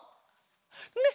ねっ！